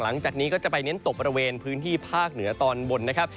หลังจากนี้ก็จะไปเน้นตกบริเวณพื้นที่ภาคเหนือตอนบนนะครับ